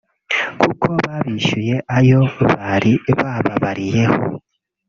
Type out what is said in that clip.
kuko babishyuye ayo bari bababariyeho